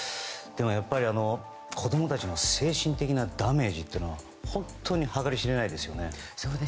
でもやっぱり子供たちの精神的なダメージは本当に計り知れないですよね。